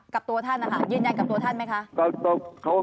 กับตัวท่านนะคะยืนยันกับตัวท่านไหมคะ